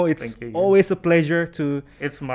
selalu senang berbicara dengan anda